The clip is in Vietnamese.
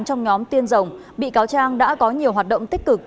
trong nhóm tiên rồng bị cáo trang đã có nhiều hoạt động tích cực